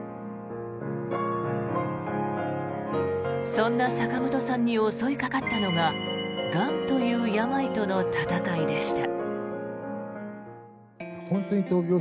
そんな坂本さんに襲いかかったのががんという病との闘いでした。